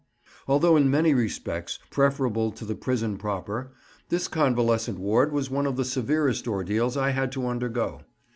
Although in many respects preferable to the prison proper, this convalescent ward was one of the severest ordeals I had to undergo.